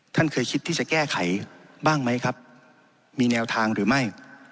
ท่านเคยคิดที่จะแก้ไขบ้างไหมครับมีแนวทางหรือไม่